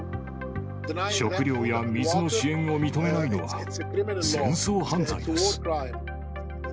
食料や水の支援を認めないのは、戦争犯罪です。